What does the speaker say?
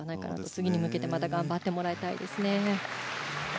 次に向けてまた頑張ってもらいたいですね。